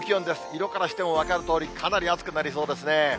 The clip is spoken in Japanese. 色からしても分かるとおり、かなり暑くなりそうですね。